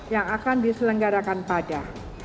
yang akan diselenggarakan pada